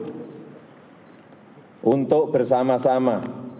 kepada siapapun untuk bersama sama